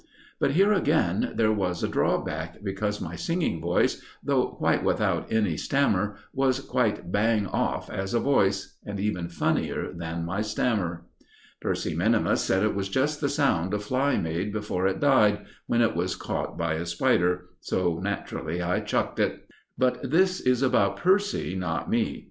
But here, again, there was a drawback, because my singing voice, though quite without any stammer, was right bang off as a voice, and even funnier than my stammer. Percy minimus said it was just the sound a fly made before it died, when it was caught by a spider; so naturally I chucked it. But this about Percy, not me.